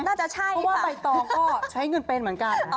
เพราะว่าไปต่อก็ใช้เงินเป็นเหมือนกัน